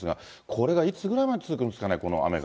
これがいつぐらいまで続くんですかね、この雨が。